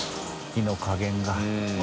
火の加減。